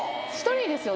１人です。